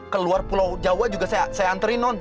keluar pulau jawa juga saya antri non